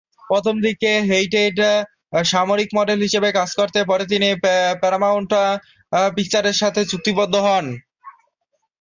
প্রথমদিকে হেইডেন সাময়িকীর মডেল হিসেবে কাজ করতেন পরে তিনি প্যারামাউন্ট পিকচার্সের সাথে চুক্তিবদ্ধ হন।